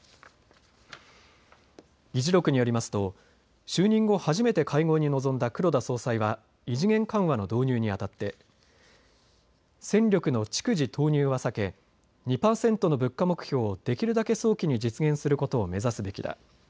議事録によりますと就任後初めて会合に臨んだ黒田総裁は異次元緩和の導入にあたって戦力の逐次投入は避け２％の物価目標をできるだけ早期に実現することを目指すべきだ。